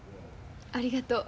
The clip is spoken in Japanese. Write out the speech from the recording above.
ありがとう。